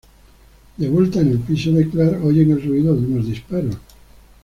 De vuelta en el piso de Clark, oyen el ruido de unos disparos.